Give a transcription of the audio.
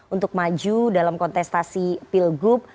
untuk maju dalam kontestasi pilgub